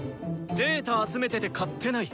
データ集めてて買ってない。